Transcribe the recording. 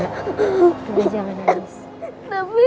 udah jangan nangis